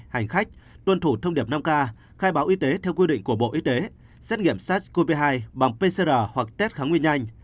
hành khách tuân thủ thông điệp năm k khai báo y tế theo quy định của bộ y tế xét nghiệm sars cov hai bằng pcr hoặc test kháng nguyên nhanh